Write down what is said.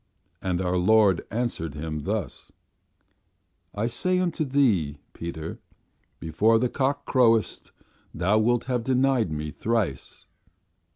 And our Lord answered him thus: 'I say unto thee, Peter, before the cock croweth thou wilt have denied Me thrice.